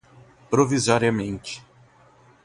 provisoriamente